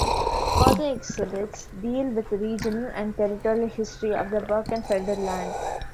Further exhibits deal with regional and territorial history of the "Birkenfelder Land".